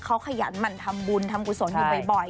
เขาขยันหมั่นทำบุญทำกุศลอยู่บ่อย